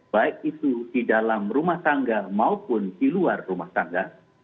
baik itu di dalam rumah tangga maupun di luar rumah tangga